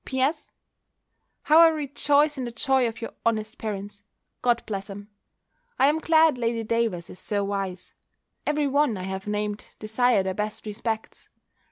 P.S. How I rejoice in the joy of your honest parents! God bless 'em! I am glad Lady Davers is so wise. Every one I have named desire their best respects.